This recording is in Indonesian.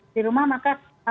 di rumah maka